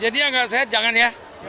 jadi yang gak sehat jangan ya